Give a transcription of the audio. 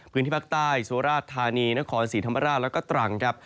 พื้นที่ภาคใต้สุราชธานีนครศรีธรรมราชแล้วก็ตรังครับ